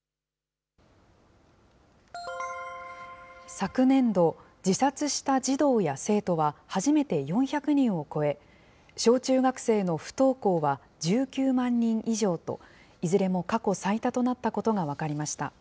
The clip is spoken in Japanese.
昨年度、自殺した児童や生徒は初めて４００人を超え、小中学生の不登校は１９万人以上と、いずれも過去最多となったことが分かりました。